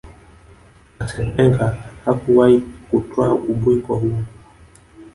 Arsene Wenger hakuwahi kutwaa ubingwa huo